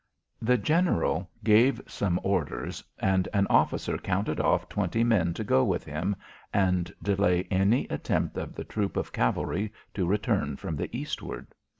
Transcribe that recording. The general gave some orders and an officer counted off twenty men to go with him, and delay any attempt of the troop of cavalry to return from the eastward.